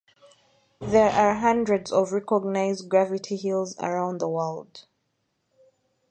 There are hundreds of recognised gravity hills around the world.